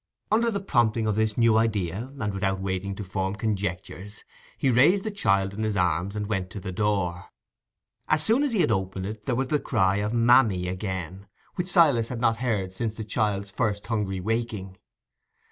Under the prompting of this new idea, and without waiting to form conjectures, he raised the child in his arms, and went to the door. As soon as he had opened it, there was the cry of "mammy" again, which Silas had not heard since the child's first hungry waking.